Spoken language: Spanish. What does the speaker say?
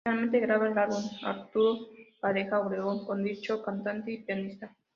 Finalmente graba el álbum "Arturo Pareja Obregón" con dicho cantante y pianista.